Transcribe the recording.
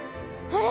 あれ？